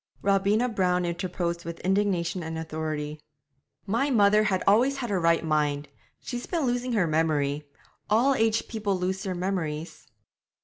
Robina Brown interposed with indignation and authority. 'My mother has always had her right mind; she's been losing her memory. All aged people lose their memories.'